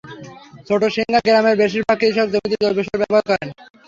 ছোট শিংগা গ্রামের বেশির ভাগ কৃষক জমিতে জৈব সার ব্যবহার করেন।